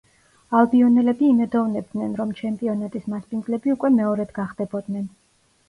ალბიონელები იმედოვნებდნენ, რომ ჩემპიონატის მასპინძლები უკვე მეორედ გახდებოდნენ.